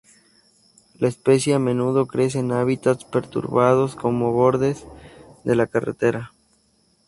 La especie a menudo crece en hábitats perturbados como bordes de la carretera.